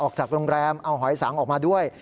ออกจากโรงแรมเอาหอยสังออกมาด้วย